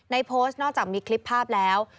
โพสต์นอกจากมีคลิปภาพแล้ว